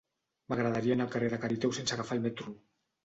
M'agradaria anar al carrer de Cariteo sense agafar el metro.